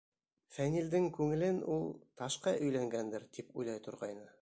Фәнилдең күңелен ул, ташҡа өйләнгәндер, тип уйлай торғайны.